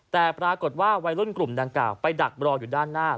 แต่ปรากฏว่าวัยรุ่นกลุ่มดังกล่าวไปดักรออยู่ด้านหน้า